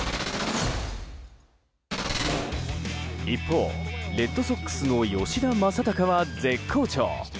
一方、レッドソックスの吉田正尚は絶好調。